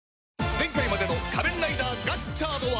前回までの『仮面ライダーガッチャード』は